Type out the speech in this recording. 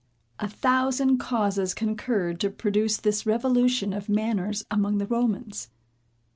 A thousand causes concurred to produce this revolution of manners among the Romans.